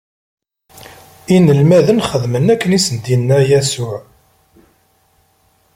Inelmaden xedmen akken i sen-d-inna Yasuɛ.